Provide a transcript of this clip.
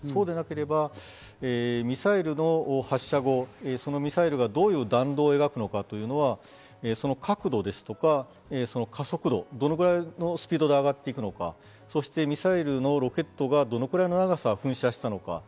そうでなければミサイルの発射後、そのミサイルがどういう弾道を描くのか、角度ですとか加速度、どのぐらいのスピードで上がっていくのか、そしてミサイルのロケットがどのくらいの長さ、噴射したのか。